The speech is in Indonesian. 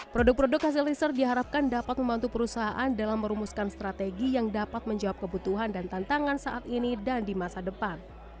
produk produk hasil riset diharapkan dapat membantu perusahaan dalam merumuskan strategi yang dapat menjawab kebutuhan dan tantangan saat ini dan di masa depan